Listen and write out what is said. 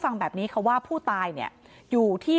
นางศรีพรายดาเสียยุ๕๑ปี